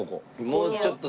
もうちょっとで。